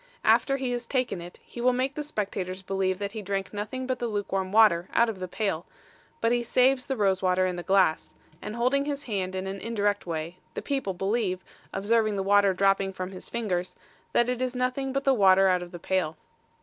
After he has taken it, he will make the spectators believe that he drank nothing but the luke warm water out of the pail; but he saves the rose water in the glass, and holding his hand in an indirect way, the people believe, observing the water dropping from his fingers, that it is nothing but the water out of the pail.